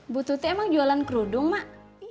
bu tuti emang jualan kerudung mak